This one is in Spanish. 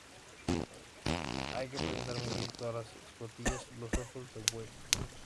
hay que presentar muy bien todas las escotillas, los ojos de buey